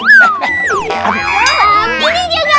ambil ini juga